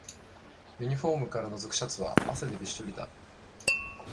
ユニフォームからのぞくシャツは汗でびっしょりだ